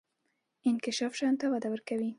انکشاف شیانو ته وده ورکوي.